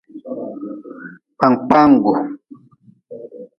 Kpangkpanggu.